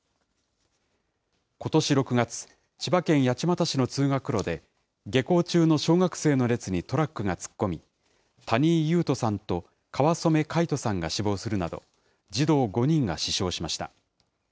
ことし６月、千葉県八街市の通学路で、下校中の小学生の列にトラックが突っ込み、谷井勇斗さんと川染凱仁さんが死亡するなど、児童５人が死傷しました。